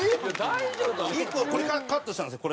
１個これカットしたんですよ